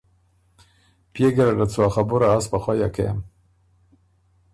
پئے ګیرډت سُو ا خبُره از په خوَیه کېم